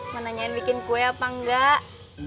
menanyain bikin kue apa enggak